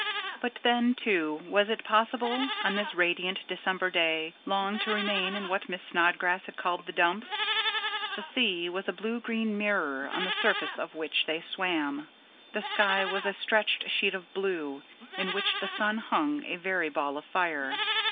But then, too, was it possible, on this radiant December day, long to remain in what Miss Snodgrass had called "the dumps"? The sea was a blue green mirror, on the surface of which they swam. The sky was a stretched sheet of blue, in which the sun hung a very ball of fire.